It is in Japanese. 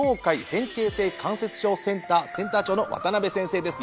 変形性関節症センターセンター長の渡辺先生です